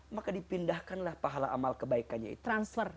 maka dipindahkanlah pahala amal kebaikannya itu